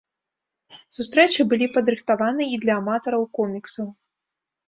Сустрэчы былі падрыхтаваны і для аматараў коміксаў.